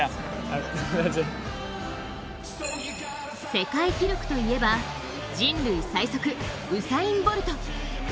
世界記録といえば、人類最速ウサイン・ボルト。